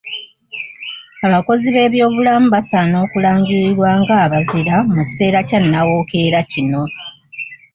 Abakozi b'ebyobulamu basaana okulangirirwa ng'abazira mu kiseera kya nawookera kino